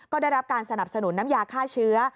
ก็ได้รับการสนับสนุนน้ำยาฆ่าเชื้อ